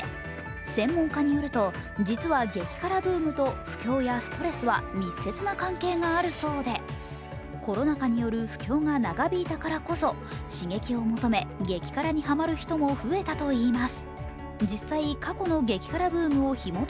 専門家によると実は激辛ブームと不況やストレスは密接な関係があるそうで、コロナ禍による不況が長引いたからこそ刺激を求め、激辛にハマる人も増えたといいます。